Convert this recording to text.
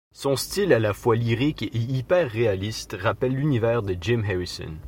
Son style à la fois lyrique et hyper réaliste rappelle l'univers de Jim Harrison.